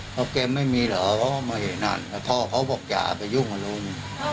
เขาเก็มไม่มีหรอแต่พ่อเขาบอกเกมอย่าไปยุงลุง